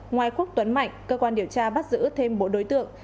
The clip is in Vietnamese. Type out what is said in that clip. ngoài quốc tuấn mạnh cơ quan điều tra bắt giữ thêm bốn đối tượng